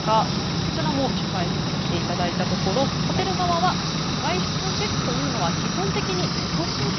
こちらも取材させていただいたところホテル側は外出のチェックというのは基本的に自己申告。